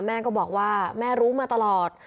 แม่ก็บอกว่าแม่รู้มาตลอด